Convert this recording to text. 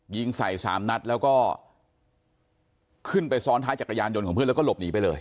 ยิงใส่สามนัดแล้วก็ขึ้นไปซ้อนท้ายจักรยานยนต์ของเพื่อนแล้วก็หลบหนีไปเลย